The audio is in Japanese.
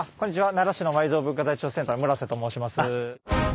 奈良市の埋蔵文化財調査センター村と申します。